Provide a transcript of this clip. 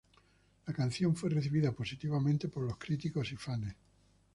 La canción fue recibida positivamente por los críticos y fanes.